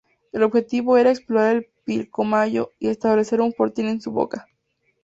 El objetivo era explorar el Pilcomayo y establecer un fortín en su boca.